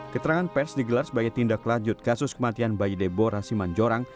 keterangan pers digelar sebagai tindak lanjut kasus kematian bayi debo rasiman jorang